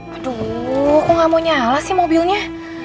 aduh kok gak mau nyala sih mobilnya